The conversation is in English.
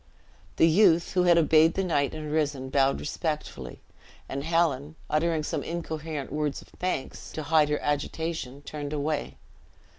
The youth, who had obeyed the knight and risen, bowed respectfully; and Helen, uttering some incoherent words of thanks, to hide her agitation turned away.